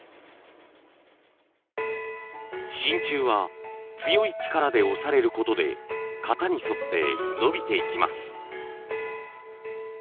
真鍮は強い力で押されることで型に沿って伸びていきます。